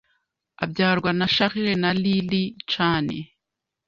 abyarwa na Charles na Lee-Lee Chan